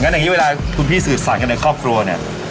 อย่างนี้เวลาคุณพี่สื่อสารกันในครอบครัวเนี่ย